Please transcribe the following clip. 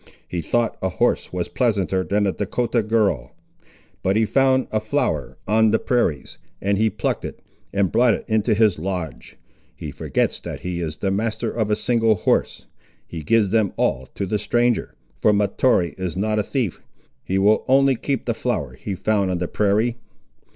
He thought a horse was pleasanter than a Dahcotah girl. But he found a flower on the prairies, and he plucked it, and brought it into his lodge. He forgets that he is the master of a single horse. He gives them all to the stranger, for Mahtoree is not a thief; he will only keep the flower he found on the prairie.